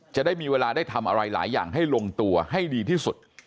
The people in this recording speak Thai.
จะได้มีเวลาได้ทำอะไรหลายอย่างให้ลงตัวให้ดีที่สุด